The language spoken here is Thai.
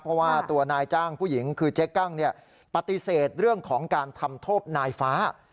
เพราะว่าตัวนายจ้างผู้หญิงคือเจ๊กั้งปฏิเสธเรื่องของการทำโทษนายฟ้า